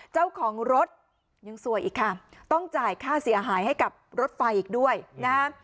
เจ้าของรถยังสวยอีกค่ะต้องจ่ายค่าเสียหายให้กับรถไฟอีกด้วยนะฮะ